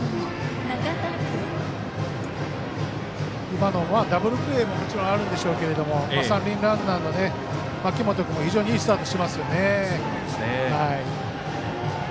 今のはダブルプレーももちろんあるでしょうけど三塁ランナーの槇本君も非常にいいスタートしますよね。